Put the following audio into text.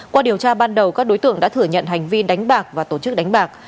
qua điều tra ban đầu các đối tượng đã thừa nhận hành vi đánh bạc và tổ chức đánh bạc